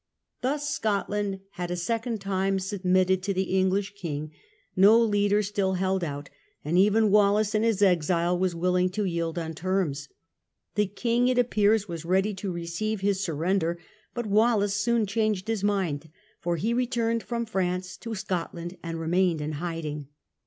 Thus Scotland had a second time submitted to the English king; no leader still held out, and even Wallace in his exile was willing to yield on terms. The king, it appears, was ready to receive his surrender, but Wallace soon changed his mind, for he returned from France to Scotland and remained in hiding.